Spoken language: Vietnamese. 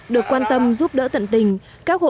được quan tâm giúp đỡ tận tình